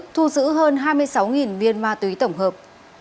thu giữ hơn hai mươi sáu viên ma túy tổng hợp